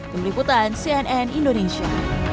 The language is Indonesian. berikutan cnn indonesia